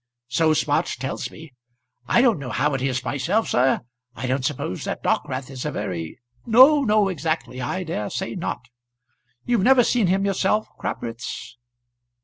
"So Smart tells me. I don't know how it is myself, sir. I don't suppose this Dockwrath is a very " "No, no; exactly. I dare say not. You've never seen him yourself, Crabwitz?"